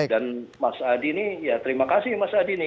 dan mas adi nih ya terima kasih mas adi nih